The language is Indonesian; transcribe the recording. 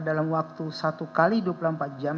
dalam waktu satu x dua puluh empat jam